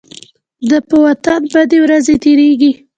د په وطن بدې ورځې تيريږي.